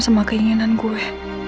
sama keinginan gue